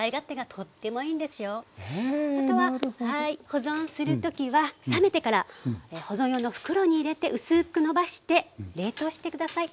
保存する時は冷めてから保存用の袋に入れて薄くのばして冷凍して下さい。